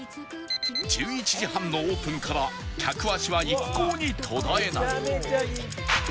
１１時半のオープンから客足は一向に途絶えない